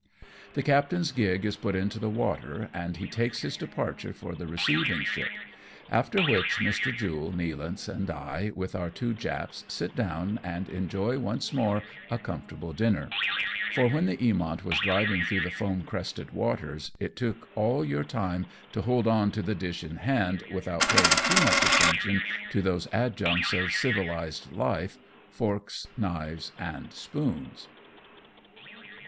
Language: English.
FROM NAGASAKI TO WOOSUNG. 215 The captain's gig is put in the water, and he takes his departure for the receiving ship ; after which, Mr. Jule, Nealance and I, with our two Japs, sit down and enjoy once more a comfortable dinner ; for, when the Hamont was driving through the foam cvested waters, it took you all your time to hold on to the dish in hand, without paying too much attention to those adjuncis of civilized life, forks, knives and spoor s.